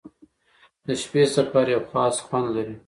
• د شپې سفر یو خاص خوند لري.